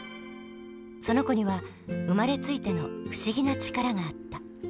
その子には生まれついての不思議な力があった。